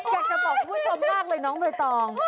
แกกระป๋อผู้ชมมากเลยน้องโดยตอง